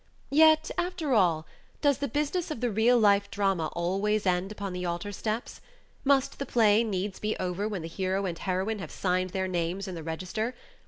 Yet, after all, does the business of the real life drama always end upon the altar steps? Must the play needs be over when the hero and heroine have signed their names in the register?